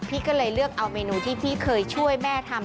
พี่ก็เลยเลือกเอาเมนูที่พี่เคยช่วยแม่ทำ